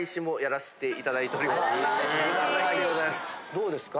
どうですか？